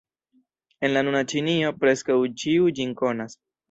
En la nuna Ĉinio, preskaŭ ĉiu ĝin konas.